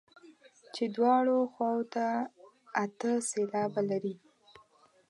چې دواړو خواوو ته اته سېلابه لري.